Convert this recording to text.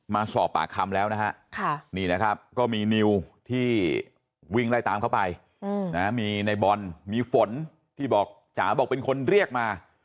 มาสอบปากคำแล้วนะฮะ